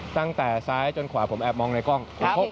ตั้งแต่ซ้ายจนขวาผมแอบมองในกล้อง